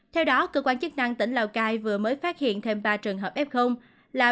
theo đó cơ quan chức năng tỉnh lào cai vừa mới phát hiện thêm ba trường hợp f là